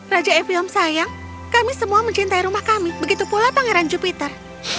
raja evium sayang kami semua mencintai rumah kami begitu pula pangeran jupiter